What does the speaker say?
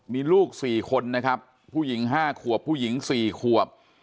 มีลูกสี่คนนะครับผู้หญิงห้าขวบผู้หญิงสี่ขวบ